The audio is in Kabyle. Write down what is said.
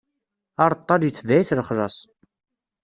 Aṛeṭṭal itbeɛ-it lexlaṣ.